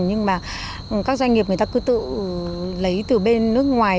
nhưng mà các doanh nghiệp người ta cứ tự lấy từ bên nước ngoài